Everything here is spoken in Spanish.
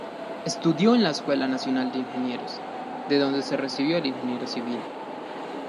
Estudió en la Escuela Nacional de Ingenieros, de donde se recibió de ingeniero civil.